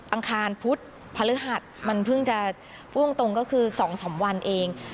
อังคารพุธพฤหัสมันเพิ่งจะพูดตรงก็คือ๒๓วันเอง